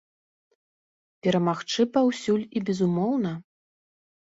Перамагчы паўсюль і безумоўна?